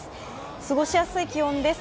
過ごしやすい気温です。